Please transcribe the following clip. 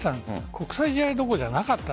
国際どころじゃなかった。